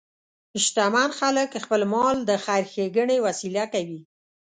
شتمن خلک خپل مال د خیر ښیګڼې وسیله کوي.